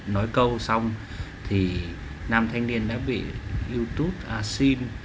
nói câu xong thì nam thanh niên đã bị youtube xin